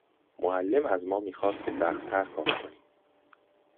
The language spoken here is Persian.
معلم از ما میخواست که سختتر کار کنیم.